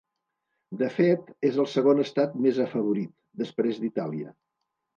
De fet, és el segon estat més afavorit, després d’Itàlia.